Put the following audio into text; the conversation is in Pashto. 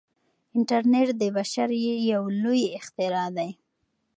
انټرنیټ د بشر یو لوی اختراع دی.